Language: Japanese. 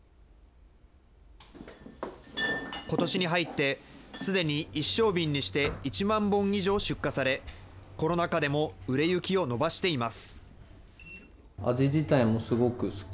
ことしに入ってすでに一升瓶にして、１万本以上出荷され、コロナ禍でも売れ行きを伸ばしています。